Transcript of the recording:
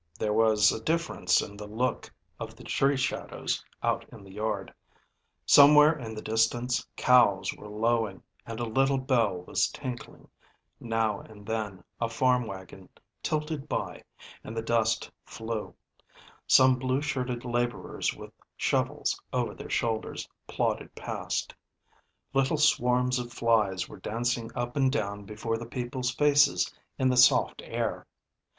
There was a difference in the look of the tree shadows out in the yard. Somewhere in the distance cows were lowing, and a little bell was tinkling; now and then a farm wagon tilted by, and the dust flew; some blue shirted laborers with shovels over their shoulders plodded past; little swarms of flies were dancing up and down before the peoples' faces in the soft air.